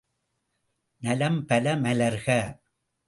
நலம் பல மலர்க!